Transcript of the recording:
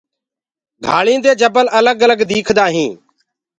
گھآݪدي دي جبل الگ الگ ديکدآ هينٚ۔